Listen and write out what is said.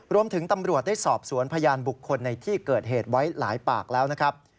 ตำรวจได้สอบสวนพยานบุคคลในที่เกิดเหตุไว้หลายปากแล้วนะครับ